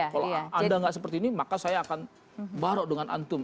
kalau ada yang enggak seperti ini maka saya akan barok dengan antum